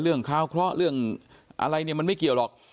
คาวเคราะห์เรื่องอะไรเนี่ยมันไม่เกี่ยวหรอก